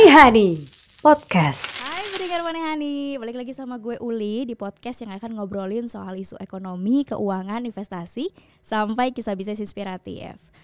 hai berdengar manehani balik lagi sama gue uli di podcast yang akan ngobrolin soal isu ekonomi keuangan investasi sampai kisah bisnis inspiratif